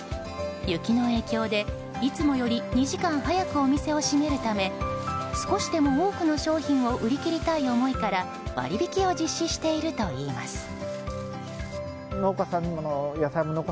雪の影響でいつもより２時間早くお店を閉めるため少しでも多くの商品を売り切りたい思いから割引を実施しているといいます。